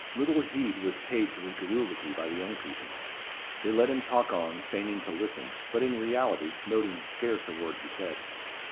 Little heed was paid to his garrulity by the young couple. They let him talk on, feigning to listen, but in reality noting scarce a word he said.